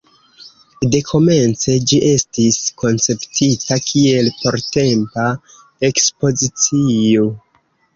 Dekomence ĝi estis konceptita kiel portempa ekspozicio.